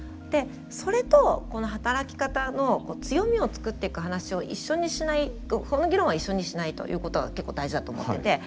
でそれとこの働き方の強みを作っていく話を一緒にしないその議論は一緒にしないということが結構大事だと思ってて。